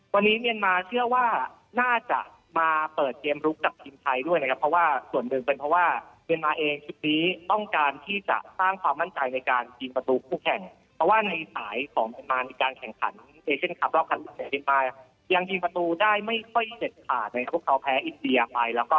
วันนี้เมียนมาเชื่อว่าน่าจะมาเปิดเกมลุกกับทีมไทยด้วยนะครับเพราะว่าส่วนหนึ่งเป็นเพราะว่าเมียนมาเองชุดนี้ต้องการที่จะสร้างความมั่นใจในการยิงประตูคู่แข่งเพราะว่าในสายของเมียนมามีการแข่งขันเอเชียนคลับรอบคันพิเศษขึ้นมายังยิงประตูได้ไม่ค่อยเด็ดขาดนะครับพวกเขาแพ้อินเดียไปแล้วก็